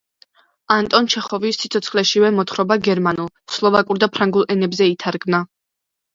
ანტონ ჩეხოვის სიცოცხლეშივე მოთხრობა გერმანულ, სლოვაკურ და ფრანგულ ენებზე ითარგმნა.